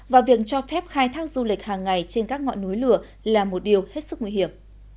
và việc cho phép khai thác du lịch hàng ngày trên các ngọn núi lửa là một điều hết sức nguy hiểm